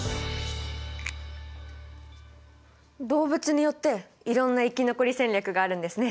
動物によっていろんな生き残り戦略があるんですね。